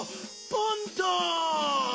パンタ！